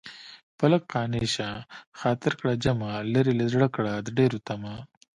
په لږ قانع شه خاطر کړه جمع لرې له زړه کړه د ډېرو طمع